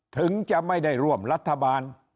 ถึงจะไม่ได้ร่วมรัฐบาล